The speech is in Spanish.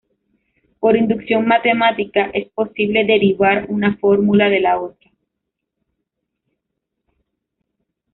Por inducción matemática es posible derivar una fórmula de la otra.